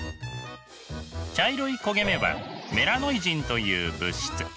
茶色い焦げ目はメラノイジンという物質。